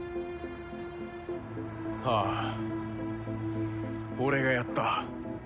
ああ俺がやった。